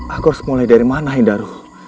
aku harus mulai dari mana hindar